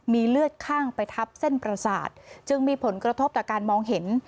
มีเลือดข้างไปทับเส้นประสาทจึงมีผลกระทบต่อการมองเห็น